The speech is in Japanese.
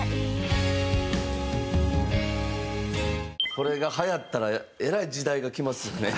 これがはやったらえらい時代が来ますよね。